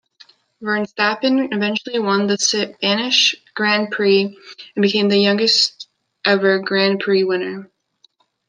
Verstappen eventually won the Spanish Grand Prix, becoming the youngest ever Grand Prix winner.